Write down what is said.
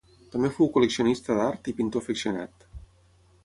També fou col·leccionista d'art i pintor afeccionat.